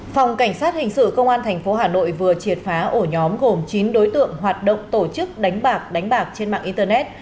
phòng cảnh sát hình sự công an tp hà nội vừa triệt phá ổ nhóm gồm chín đối tượng hoạt động tổ chức đánh bạc đánh bạc trên mạng internet